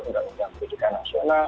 undang undang pendidikan nasional